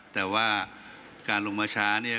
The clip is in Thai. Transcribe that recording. แต่ว่าการลงมาช้าเนี่ย